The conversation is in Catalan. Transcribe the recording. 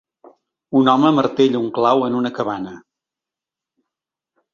Un home amartella un clau en una cabana.